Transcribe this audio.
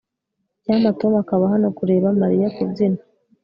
Icyampa Tom akaba hano kureba Mariya kubyina